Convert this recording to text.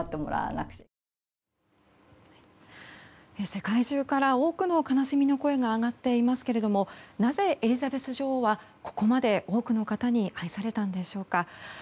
世界中から多くの悲しみの声が上がっていますけれどもなぜエリザベス女王はここまで多くの方に愛されたのでしょうか。